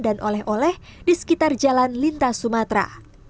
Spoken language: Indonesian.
oleh oleh di sekitar jalan lintas sumatera